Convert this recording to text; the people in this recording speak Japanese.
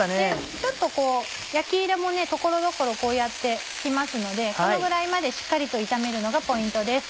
ちょっと焼き色も所々こうやってつきますのでこのぐらいまでしっかりと炒めるのがポイントです。